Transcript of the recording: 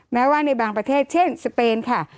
แม้ว่าในบางประเทศเช่นสเปนค่ะ